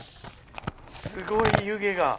すごい湯気が！